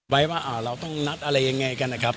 ว่าเราต้องนัดอะไรยังไงกันนะครับ